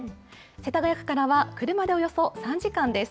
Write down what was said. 世田谷区からは車でおよそ３時間です。